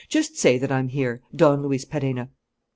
Just say that I'm here: Don Luis Perenna."